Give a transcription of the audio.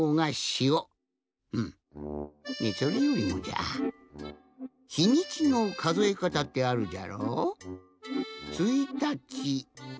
それよりもじゃひにちのかぞえかたってあるじゃろ。